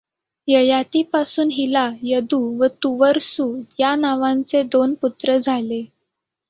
ययातीपासून हिला यदु व तुर्वसु या नावांचे दोन पुत्र झाले.